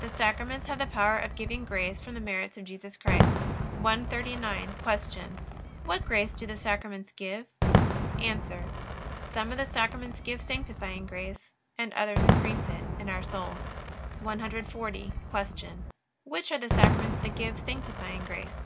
The Sacraments have the power of giving grace from the merits of Jesus Christ. 139. Q. What grace do the Sacraments give? A. Some of the Sacraments give sanctifying grace, and others increase it in our souls. 140. Q. Which are the Sacraments that give sanctifying grace?